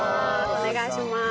お願いします。